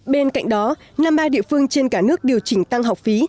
bên cạnh đó năm mươi ba địa phương trên cả nước điều chỉnh tăng học phí